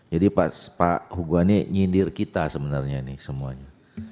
jadi pak hugwa ini nyindir kita sebenarnya ini semuanya